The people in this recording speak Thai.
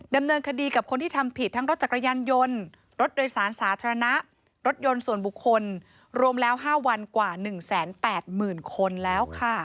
ดำเนินคดีกับคนที่ทำผิดทั้งรถจักรยานยนต์รถโดยสารสาธารณะรถยนต์ส่วนบุคคลรวมแล้ว๕วันกว่า๑๘๐๐๐คนแล้วค่ะ